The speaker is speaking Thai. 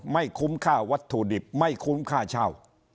คุ้มค่าวัตถุดิบไม่คุ้มค่าเช่า